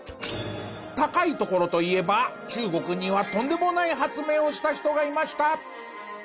高い所といえば中国にはとんでもない発明をした人がいました。